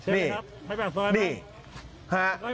นี่นี่